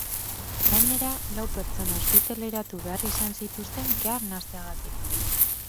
Gainera, lau pertsona ospitaleratu behar izan zituzten kea arnasteagatik.